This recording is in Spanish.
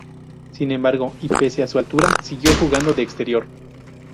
Sin embargo, y pese a su altura, siguió jugando de exterior.